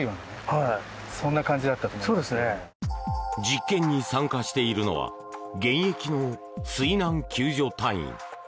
実験に参加しているのは現役の水難救助隊員。